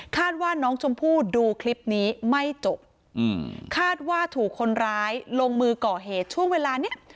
ว่าน้องชมพู่ดูคลิปนี้ไม่จบคาดว่าถูกคนร้ายลงมือก่อเหตุช่วงเวลานี้